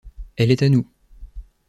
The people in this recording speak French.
Elle est à nous.